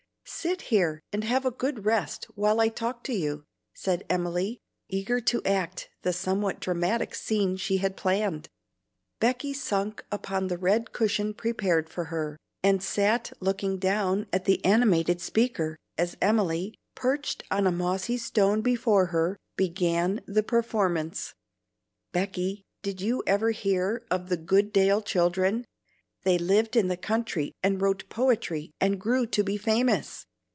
"Sit here and have a good rest, while I talk to you," said Emily, eager to act the somewhat dramatic scene she had planned. Becky sunk upon the red cushion prepared for her, and sat looking down at the animated speaker, as Emily, perched on a mossy stone before her, began the performance. "Becky, did you ever hear of the Goodale children? They lived in the country and wrote poetry and grew to be famous."